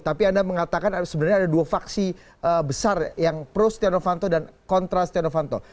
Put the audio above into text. tapi anda mengatakan sebenarnya ada dua vaksi besar yang pro stenovanto dan kontra stenovanto